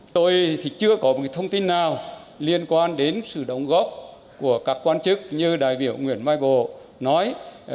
tôi thì chưa có một thông tin nào liên quan đến sự đóng góp của các quan chức như đại biểu nguyễn mai bồ nói